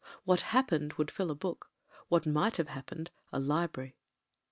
What happened would fill a book; what might have happened — a li brary.